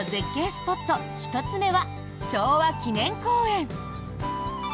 スポット１つ目は昭和記念公園。